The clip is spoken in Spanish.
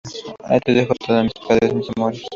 Ahí te dejo todo, mis padres, mis amores.